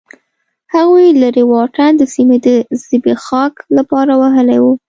هغوی لرې واټن د سیمې د زبېښاک لپاره وهلی و.